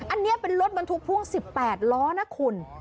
อันนี้เป็นรถบรรทุกพ่วง๑๘ล้อนะคุณ